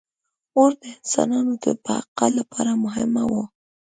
• اور د انسانانو د بقا لپاره مهم و.